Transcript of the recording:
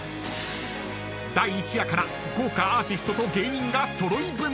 ［第１夜から豪華アーティストと芸人が揃い踏み］